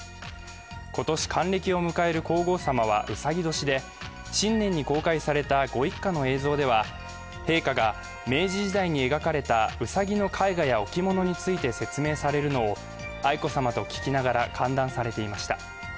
今年還暦を迎える皇后さまはうさぎ年で新年に公開されたご一家の映像では陛下が、明治時代に描かれたうさぎの絵画や置物について説明されるのを愛子さまと聞きながら歓談されていました。